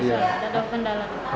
bisa lah ya